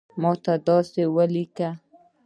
ماته داسی اولیکه